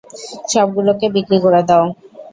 সবগুলোকে বিক্রি করে দাও।